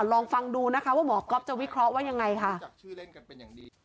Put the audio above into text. ลองฟังดูนะคะว่าหมอก๊อปจะวิเคราะห์ว่ายังไงค่ะ